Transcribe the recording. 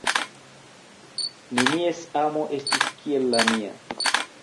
Nenies amo estis kiel la nia.